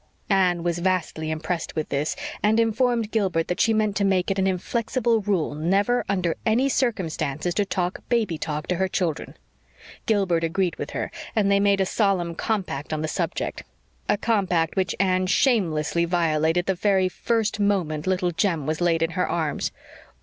Anne was vastly impressed with this, and informed Gilbert that she meant to make it an inflexible rule never, under any circumstances, to talk "baby talk" to her children. Gilbert agreed with her, and they made a solemn compact on the subject a compact which Anne shamelessly violated the very first moment Little Jem was laid in her arms.